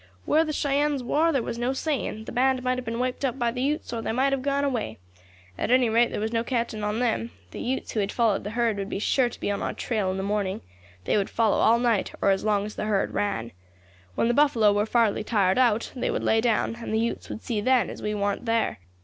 "Where the Cheyennes war there was no saying; the band might have been wiped out by the Utes, or they might have got away. At any rate there was no counting on them. The Utes who had followed the herd would be sure to be on our trail in the morning; they would follow all night, or as long as the herd ran. When the buffalo war fairly tired out they would lay down, and the Utes would see then as we warn't there.